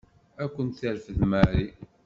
Ad ken-terfed Mary.